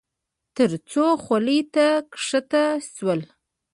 تر څو خولې ته کښته شول.